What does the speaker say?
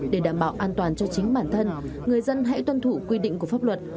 để đảm bảo an toàn cho chính bản thân người dân hãy tuân thủ quy định của pháp luật